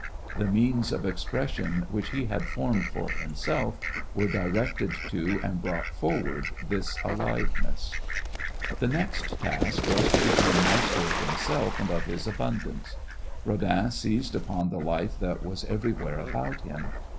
The means of expression which he had formed for himself were directed to and brought forward this aliveness. The next task was to become master of himself and of his abundance. Rodin seized upon the life that was everywhere about him.